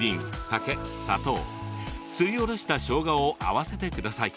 酒砂糖すりおろしたしょうがを合わせてください。